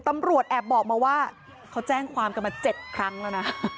ตำรวจแอบบอกมาว่าเขาแจ้งความกันมา๗ครั้งแล้วนะ